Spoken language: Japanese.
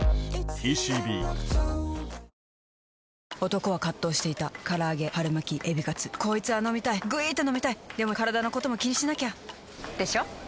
男は葛藤していた唐揚げ春巻きエビカツこいつぁ飲みたいぐいーーっと飲みたいでもカラダのことも気にしなきゃ！でしょ？